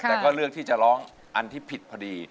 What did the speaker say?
แต่ก็เลือกที่จะร้องอันที่ผิดพอดี